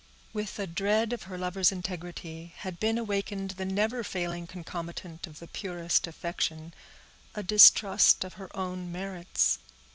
With a dread of her lover's integrity had been awakened the never failing concomitant of the purest affection, a distrust of her own merits.